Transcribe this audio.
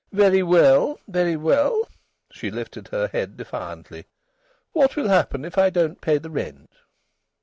Very well! Very well!..." She lifted her head defiantly. "What will happen if I don't pay the rent?"